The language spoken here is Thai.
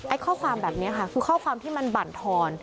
ข้อความแบบนี้ค่ะคือข้อความที่มันบั่นทอน